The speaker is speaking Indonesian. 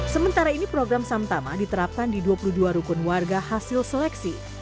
sementara ini program samtama diterapkan di dua puluh dua rukun warga hasil seleksi